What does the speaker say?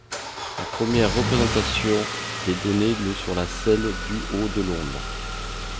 La première représentation d’ est donnée le sur la scène du au de Londres.